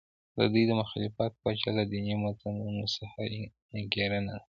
د دوی د مخالفت وجه له دیني متنونو څخه انګېرنه وه.